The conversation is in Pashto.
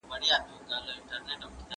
ښه فکر د ښه عمل لامل کیږي.